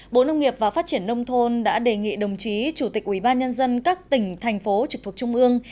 bộ nông nghiệp và phát triển nông thôn đã đề nghị đồng chí chủ tịch ubnd các tỉnh thành phố trực thuộc trung ương